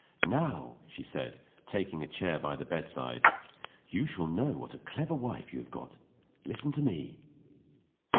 "Now," she said, taking a chair by the bedside, "you shall know what a clever wife you have got. Listen to me."